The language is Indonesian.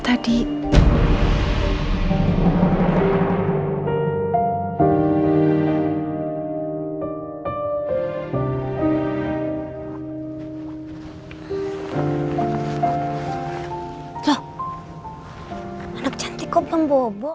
anak cantik kok pembobok